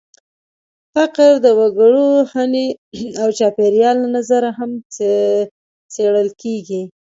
فقر د وګړپوهنې او د چاپېریال له نظره هم څېړل کېږي.